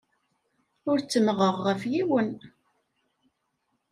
Ur ttemmɣeɣ ɣef yiwen.